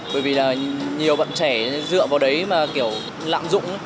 bởi vì là nhiều bạn trẻ dựa vào đấy mà kiểu lạm dụng